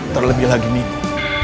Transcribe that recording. terlebih lagi minggu